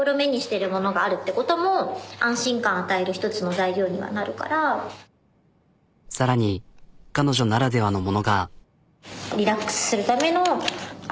やっぱ更に彼女ならではのものが。